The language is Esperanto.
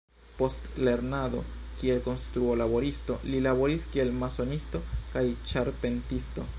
Post lernado kiel konstruo-laboristo, li laboris kiel masonisto kaj ĉarpentisto.